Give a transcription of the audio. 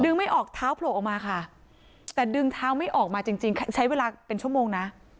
ไม่ออกเท้าโผล่ออกมาค่ะแต่ดึงเท้าไม่ออกมาจริงจริงใช้เวลาเป็นชั่วโมงนะ